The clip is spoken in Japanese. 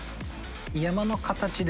山の形で。